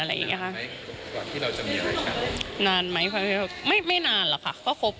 อ่าเดี๋ยวฟองดูนะครับไม่เคยพูดนะครับ